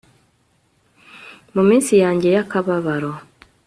mu minsi yanjye y'akababaro